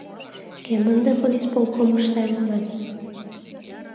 Кӧм ынде волисполкомыш сайлыман?